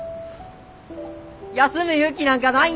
休む勇気なんかないんだ。